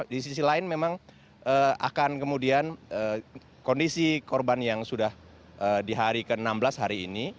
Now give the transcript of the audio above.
di sisi lain memang akan kemudian kondisi korban yang sudah di hari ke enam belas hari ini